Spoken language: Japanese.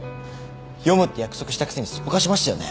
読むって約束したくせにすっぽかしましたよね？